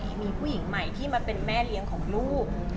มีผู้หญิงใหม่ที่มาเป็นแม่เลี้ยงของลูก